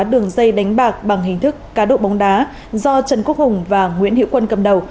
đường dây đánh bạc bằng hình thức cá độ bóng đá do trần quốc hùng và nguyễn hiệu quân cầm đầu